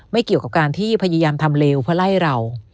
เกี่ยวกับการที่พยายามทำเลวเพื่อไล่เรา